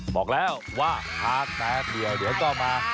บอกแล้วว่า๕แป๊บเดี๋ยวต่อมา